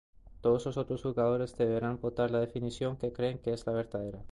Todos los otros jugadores deberán votar la definición que creen que es la verdadera.